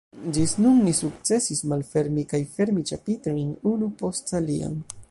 Ĝis nun ni sukcesis malfermi kaj fermi ĉapitrojn unu post alian.